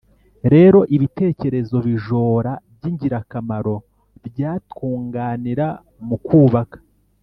rero ibitekerezo bijora by'ingirakamaro byatwunganira mu kubaka